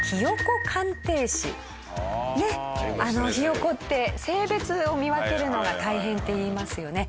ねっひよこって性別を見分けるのが大変って言いますよね。